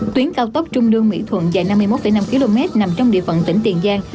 tuyến cao tốc trung lương mỹ thuận dài năm mươi một năm km nằm trong địa phận tỉnh tiền giang